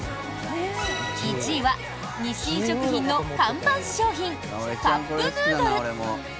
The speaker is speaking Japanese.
１位は、日清食品の看板商品カップヌードル。